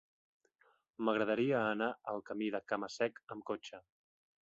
M'agradaria anar al camí del Cama-sec amb cotxe.